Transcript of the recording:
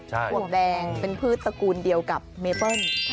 ห่วงแดงเป็นพืชตระกูลเดียวกับเมเปิ้ล